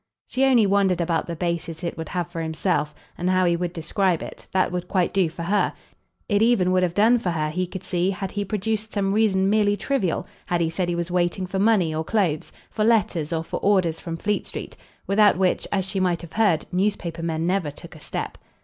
She only wondered about the basis it would have for himself, and how he would describe it; that would quite do for her it even would have done for her, he could see, had he produced some reason merely trivial, had he said he was waiting for money or clothes, for letters or for orders from Fleet Street, without which, as she might have heard, newspaper men never took a step.